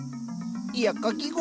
いやかき氷